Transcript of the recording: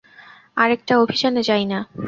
আরেকটা অভিযানে যাই না?